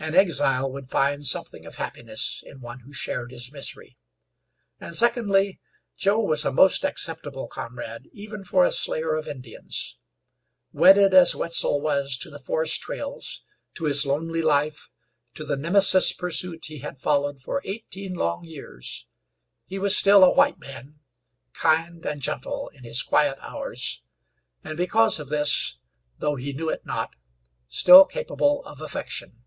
An exile would find something of happiness in one who shared his misery. And, secondly, Joe was a most acceptable comrade, even for a slayer of Indians. Wedded as Wetzel was to the forest trails, to his lonely life, to the Nemesis pursuit he had followed for eighteen long years, he was still a white man, kind and gentle in his quiet hours, and because of this, though he knew it not, still capable of affection.